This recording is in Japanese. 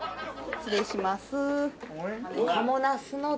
「失礼します」